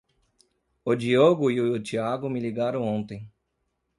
O Diego e o Tiago me ligaram ontem.